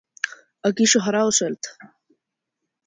Aquí xogará o Celta.